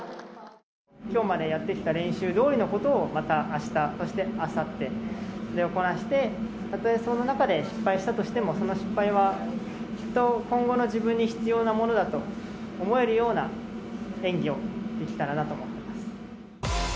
きょうまでやってきた練習どおりのことを、またあした、そしてあさってでこなして、たとえその中で失敗したとしても、その失敗はきっと今後の自分に必要なものだと思えるような演技をできたらなと思ってます。